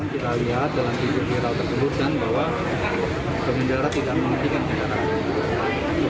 kita lihat dalam video viral tersebut kan bahwa pengendara tidak menghentikan kendaraan